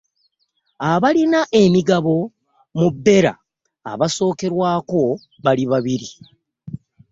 Abalina emigabo mu BEL abasookerwako bali babiri.